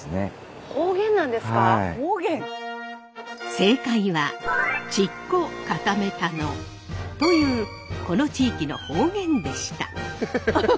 正解は「乳っこかためたの」というこの地域の方言でした。